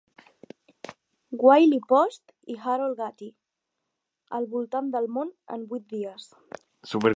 Wiley Post i Harold Gatty, "Al voltant del món en vuit dies".